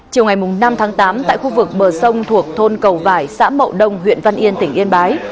chiều ngày năm tháng tám tại khu vực bờ sông thuộc thôn cầu vải xã mậu đông huyện văn yên tỉnh yên bái